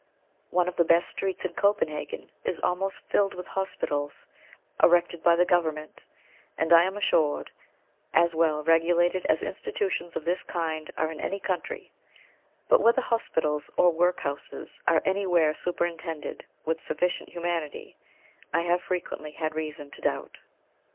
One of the best streets in Copenhagen is almost filled with hospitals, erected by the Government, and, I am assured, as well regulated as institutions of this kind are in any country; but whether hospitals or workhouses are anywhere superintended with sufficient humanity I have frequently had reason to doubt.